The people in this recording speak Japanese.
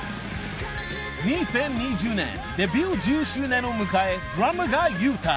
［２０２０年デビュー１０周年を迎えドラマーが勇退］